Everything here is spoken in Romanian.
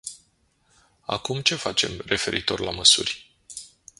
Acum ce facem referitor la măsuri?